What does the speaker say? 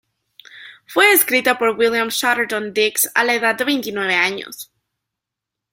Fue escrita por William Chatterton Dix a a edad de veintinueve años.